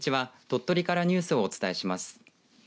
鳥取からニュースをお伝えします。